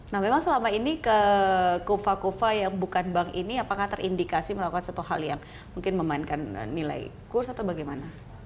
nah memang selama ini ke kufa kuva yang bukan bank ini apakah terindikasi melakukan satu hal yang mungkin memainkan nilai kurs atau bagaimana